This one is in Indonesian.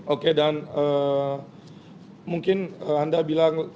oke dan mungkin anda bilang